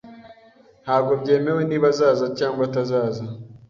Ntabwo byemewe niba azaza cyangwa atazaza.